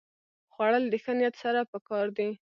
خوړل د ښه نیت سره پکار دي